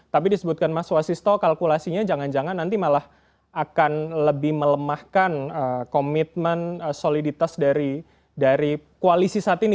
tapi disebutkan mas wasisto kalkulasinya jangan jangan nanti malah akan lebih melemahkan komitmen soliditas dari koalisi saat ini